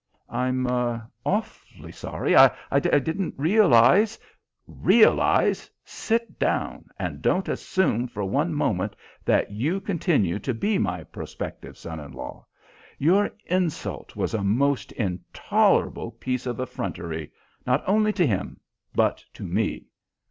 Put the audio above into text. "I'm awfully sorry. I didn't realize " "Realize! Sit down, and don't assume for one moment that you continue to be my prospective son in law. Your insult was a most intolerable piece of effrontery, not only to him, but to me."